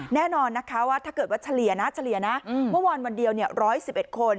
แน่นอนนะคะว่าถ้าเกิดว่าเฉลี่ยวันวันเดียว๑๑๑คน